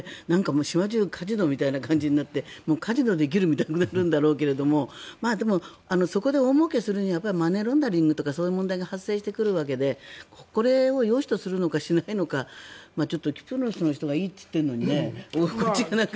島中カジノみたいな感じになってもうカジノできるみたいになるんだろうけどそこで大もうけするにはマネーロンダリングとかそういう問題が発生してくるわけでこれをよしとするのかしないのかちょっとキプロスの人がいいと言っているのにこっちがなんか。